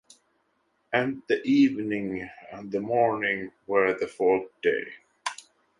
And the evening and the morning were the fourth day.